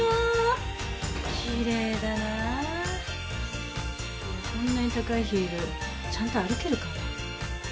でもこんなに高いヒールちゃんと歩けるかな。